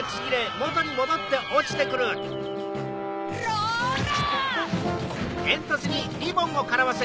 ・ローラ！